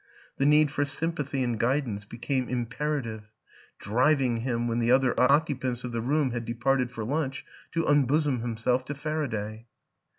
The need for sympathy and guidance be came imperative ; driving him, when the other occupants of the room had departed for lunch, to unbosom himself to Faraday.